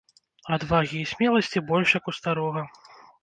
Адвагі і смеласці больш як у старога.